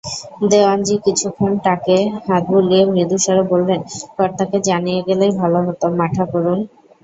দেওয়ানজি কিছুক্ষণ টাকে হাত বুলিয়ে মৃদুস্বরে বললেন, কর্তাকে জানিয়ে গেলেই ভালো হত মাঠাকরুন।